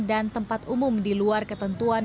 dan tempat umum di luar ketentuan